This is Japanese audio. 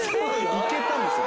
いけたんですよ